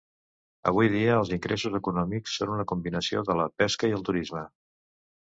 Avui dia els ingressos econòmics són una combinació de la pesca i el turisme.